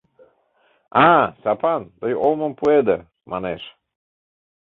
— А, Сапан, тый олымым пуэде! — манеш.